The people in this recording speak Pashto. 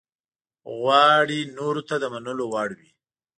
غواړي نورو ته د منلو وړ وي.